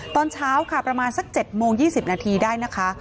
ตอนเช้าค่ะประมาณสัก๗โมง๒๐นาทีได้นะคะ